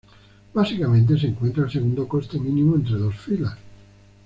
Básicamente se encuentra el segundo coste mínimo entre dos filas.